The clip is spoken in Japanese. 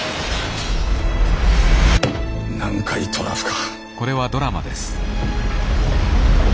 南海トラフか。